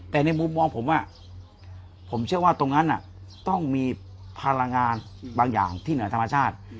แต่ในมุมมองผมผมเชื่อว่าตรงนั้นต้องมีพลังงานบางอย่างที่เหนือธรรมชาติ